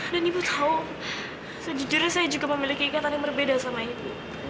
dan ibu tahu sejujurnya saya juga memiliki ingatan yang berbeda sama ibu